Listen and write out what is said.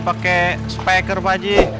pakai speker pakcik